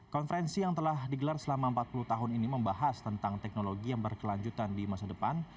konferensi yang telah digelar selama empat puluh tahun ini membahas tentang teknologi yang berkelanjutan di masa depan